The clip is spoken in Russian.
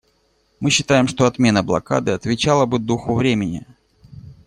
Мы считаем, что отмена блокады отвечала бы духу времени.